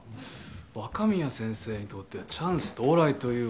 若宮先生にとってはチャンス到来というわけだ。